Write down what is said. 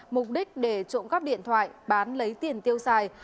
mục đích để trộm cắp điện thoại bán lấy tiền tiêu xài